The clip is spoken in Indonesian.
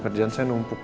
kerjaan saya numpuk